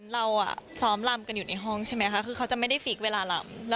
เราซ้อมลำกันอยู่ในห้องใช่ไหมคะคือเขาจะไม่ได้ฟีกเวลาลำ